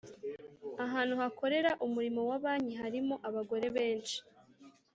Ahantu hakorera umurimo wa banki harimo abagore benshi